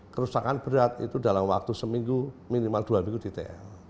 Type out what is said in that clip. kerusakan berat itu dalam waktu seminggu minimal dua minggu di tl